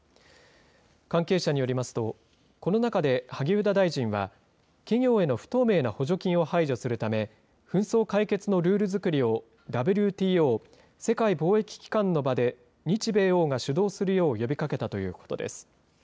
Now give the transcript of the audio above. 関係者によりますと、この中で萩生田大臣は、企業への不透明な補助金を排除するため、紛争解決のルール作りを、ＷＴＯ・世界貿易機関の場で、日米欧が主導するよう呼びかけたということです。